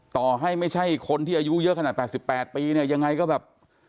ต่อให้ไม่ใช่คนที่อายุเยอะขนาด๘๘ปีเนี่ยยังไงก็แบบ